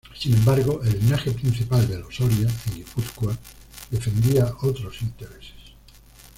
Sin embargo, el linaje principal de los Oria en Guipúzcoa defendía otros intereses.